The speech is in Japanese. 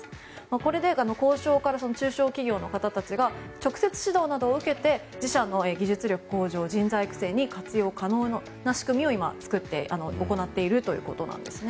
これで工匠から中小企業の方たちが直接指導などを受けて自社の技術力向上、人材育成に活用可能な仕組みを今、作って行っているということなんですね。